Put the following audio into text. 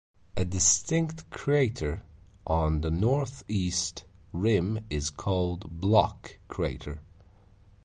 A distinct crater on the northeast rim is called "Block" crater.